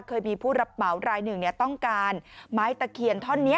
เคยมีผู้รับเหมารายหนึ่งต้องการไม้ตะเคียนท่อนนี้